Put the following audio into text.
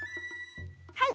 はい。